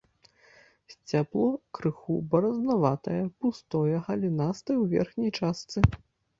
Сцябло крыху баразнаватае, пустое, галінастае ў верхняй частцы.